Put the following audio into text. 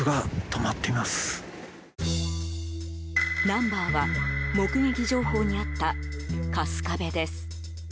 ナンバーは目撃情報にあった春日部です。